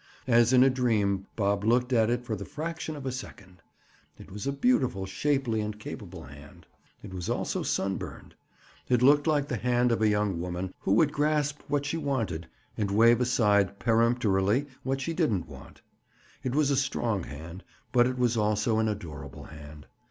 As in a dream Bob looked at it, for the fraction of a second. It was a beautiful, shapely and capable hand. It was also sunburned. It looked like the hand of a young woman who would grasp what she wanted and wave aside peremptorily what she didn't want. It was a strong hand, but it was also an adorable hand.